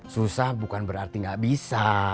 susah bukan berarti nggak bisa